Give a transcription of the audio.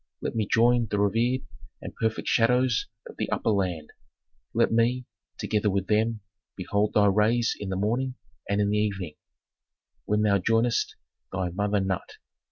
Let me join the revered and perfect shadows of the upper land. Let me, together with them, behold thy rays in the morning, and in the evening, when thou joinest thy mother Nut.